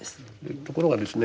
ところがですね